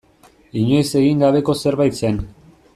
Inoiz egin gabeko zerbait zen.